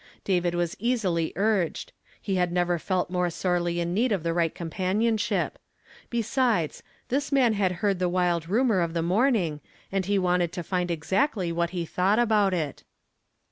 David was easily urged ; he had never felt more sorely in need of the right companionship ; besides, this man had heard the wild rumor of the morning, and he wanted to find exactly what he thought about it.